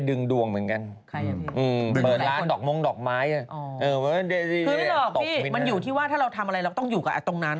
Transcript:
คือหรอกพี่มันอยู่ที่ว่าถ้าเราทำอะไรเราต้องอยู่กับตรงนั้น